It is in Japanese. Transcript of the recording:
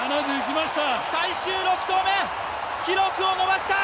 最終６投目、記録を伸ばした。